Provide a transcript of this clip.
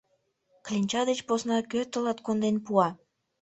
Кленча деч посна кӧ тылат конден пуа?